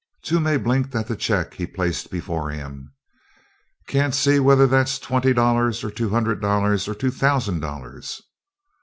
Toomey blinked at the check he placed before him. "Can't see whether tha's twenty dollars, or two hundred dollars or two thousand dollars."